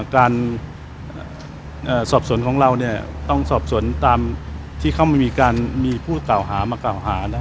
การสอบสวนของเราต้องสอบสวนตามที่เขามีผู้กล่าวหามากล่าวหา